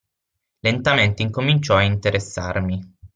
Lentamente incominciò a interessarmi.